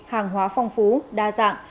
hàng hóa phong phú đa dạng